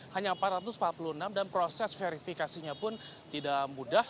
hanya empat ratus empat puluh enam dan proses verifikasinya pun tidak mudah